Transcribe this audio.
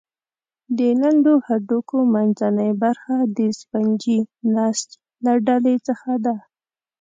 د لنډو هډوکو منځنۍ برخه د سفنجي نسج له ډلې څخه ده.